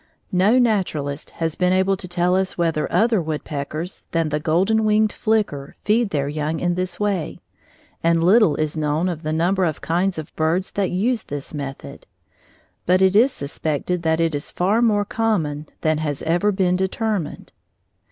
No naturalist has been able to tell us whether other woodpeckers than the golden winged flicker feed their young in this way; and little is known of the number of kinds of birds that use this method, but it is suspected that it is far more common than has ever been determined.